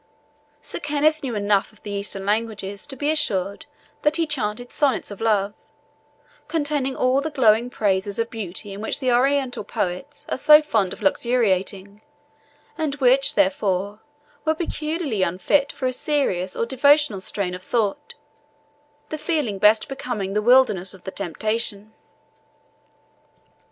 Sir Kenneth knew enough of the Eastern languages to be assured that he chanted sonnets of love, containing all the glowing praises of beauty in which the Oriental poets are so fond of luxuriating, and which, therefore, were peculiarly unfitted for a serious or devotional strain of thought, the feeling best becoming the Wilderness of the Temptation.